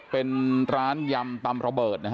เป็นร้านยำตำระเบิดนะฮะ